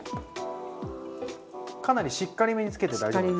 かなりしっかりめにつけて大丈夫ですか？